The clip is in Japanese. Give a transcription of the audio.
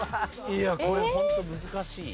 いやこれホント難しい。